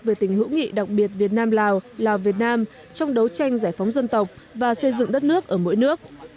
về tình hữu nghị đặc biệt việt nam lào lào việt nam trong đấu tranh giải phóng dân tộc và xây dựng đất nước ở mỗi nước